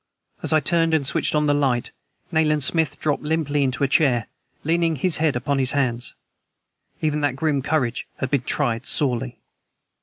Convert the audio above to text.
As I turned and switched on the light Nayland Smith dropped limply into a chair, leaning his head upon his hands. Even that grim courage had been tried sorely.